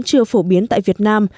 chưa phổ biến tại việt nam